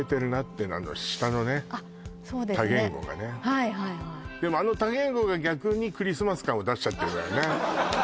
はいはいはいあの多言語が逆にクリスマス感を出しちゃってるわよね